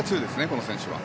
この選手は。